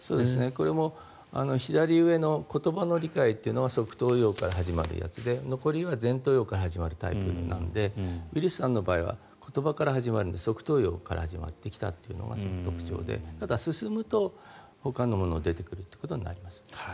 これも左上の言葉の理解というのは側頭葉から始まるやつで残りは前頭葉から始まるタイプなのでウィリスさんの場合は言葉から始まるので側頭葉から始まってきたというのが特徴でただ進むと、ほかのものが出てくるということになります。